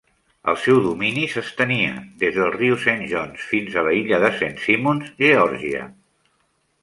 El seu domini s'estenia des del riu Saint Johns fins a l'illa de Saint Simons, Geòrgia.